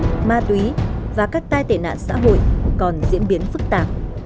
tình hình tội phạm ma túy và các tai tệ nạn xã hội còn diễn biến phức tạp